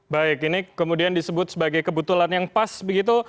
baik ini kemudian disebut sebagai kebetulan yang pas begitu